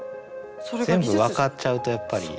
全部分かっちゃうとやっぱり。